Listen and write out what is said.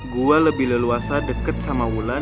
gue lebih leluasa deket sama wulan